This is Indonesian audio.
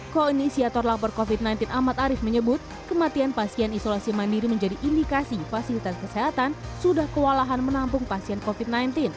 koinisiator lapor covid sembilan belas ahmad arief menyebut kematian pasien isolasi mandiri menjadi indikasi fasilitas kesehatan sudah kewalahan menampung pasien covid sembilan belas